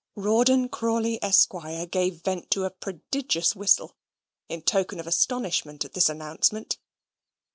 Rawdon Crawley, Esquire, gave vent to a prodigious whistle, in token of astonishment at this announcement.